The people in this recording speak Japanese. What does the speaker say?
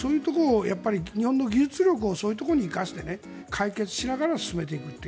日本の技術力をそういうところに生かして解決しながら進めていくと。